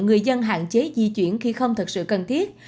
người dân hạn chế di chuyển khi không thật sự cần thiết